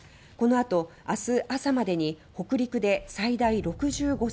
このあと明日、朝までに北陸で最大６５ｃｍ